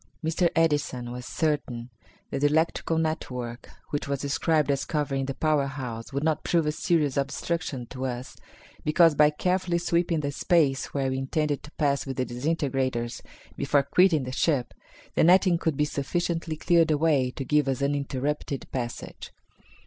Mr. Edison was certain that the electrical network which was described as covering the power house would not prove a serious obstruction to us, because by carefully sweeping the space where we intended to pass with the disintegrators before quitting the ship, the netting could be sufficiently cleared away to give us uninterrupted passage.